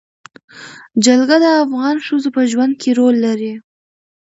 جلګه د افغان ښځو په ژوند کې رول لري.